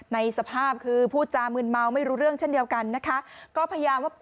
สภาพคือพูดจามืนเมาไม่รู้เรื่องเช่นเดียวกันนะคะก็พยายามว่า